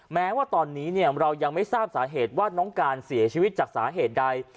แม้ว่าตอนนี้เรายังไม่ทราบสาเหตุว่าน้องการเสียชีวิตจากสาเหตุใด